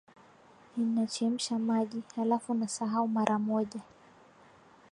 Ninachemsha maji, halafu nasahau mara moja.